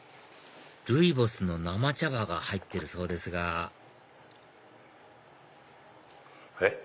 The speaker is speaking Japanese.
ルイボスの生茶葉が入ってるそうですがえっ？